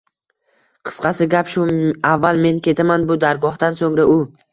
Qisqasi gap shu: avval men ketaman bu dargohdan, so‘ngra — u…